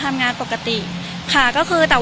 ตอนนี้จะเปลี่ยนอย่างนี้หรอว้าง